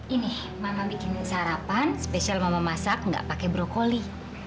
ini mama bikinin sarapan spesial mama masak gak pakai brokoli